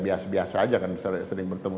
biasa biasa aja kan sering bertemu